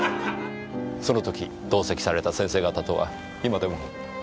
その時同席された先生方とは今でも？